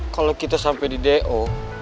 kalau kita sampai di do